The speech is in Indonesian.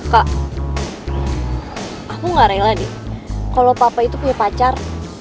kak aku gak rela nih kalau papa itu punya pacar